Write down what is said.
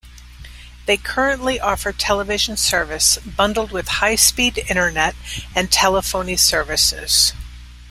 They currently offer television service bundled with High-speed Internet and Telephony services.